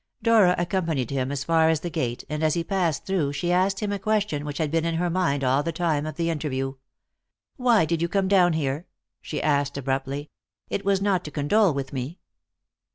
Dora accompanied him as far as the gate, and as he passed through she asked him a question which had been in her mind all the time of the interview. "Why did you come down here?" she asked abruptly. "It was not to condole with me."